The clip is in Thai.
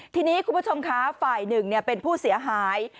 ทีนี้คุณผู้ชมคะฝ่ายหนึ่งเป็นผู้เสียหาย